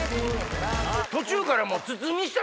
途中からもう。